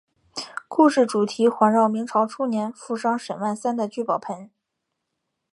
故事主题环绕明朝初年富商沈万三的聚宝盆。